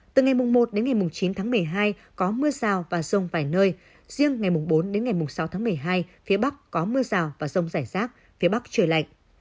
từ ngày một đến ngày chín tháng một mươi hai có mưa rào và rông vài nơi riêng ngày bốn đến ngày sáu tháng một mươi hai phía bắc có mưa rào và rông rải rác phía bắc trời lạnh